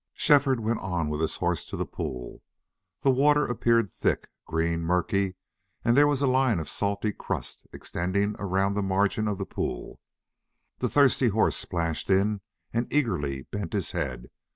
Shefford went on with his horse to the pool. The water appeared thick, green, murky, and there was a line of salty crust extending around the margin of the pool. The thirsty horse splashed in and eagerly bent his head.